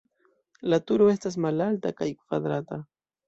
La turo estas malalta kaj kvadrata.